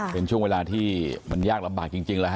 เป็นช่วงเวลาที่มันยากลำบากจริงแล้วฮ